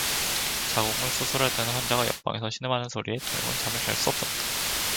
자궁을 수술하였다는 환자가 옆방에서 신음하는 소리에 동혁은 잠을 잘 수 없었다.